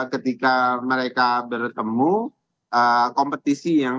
ketika mereka bertemu kompetisi yang